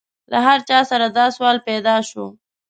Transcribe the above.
له هر چا سره دا سوال پیدا شو.